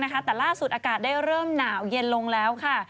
แต่ล่าสุดอากาศได้เริ่มหนาวเย็นลงแล้วค่ะ